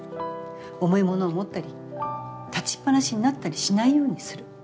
重いものを持ったり立ちっ放しになったりしないようにする。